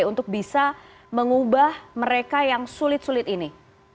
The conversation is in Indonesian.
untuk bisa mengubah mereka yang sulit sulit ini